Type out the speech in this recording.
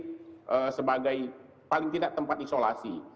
sebagai paling tidak tempat isolasi